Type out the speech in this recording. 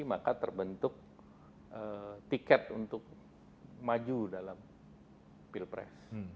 maka terbentuk tiket untuk maju dalam pilpres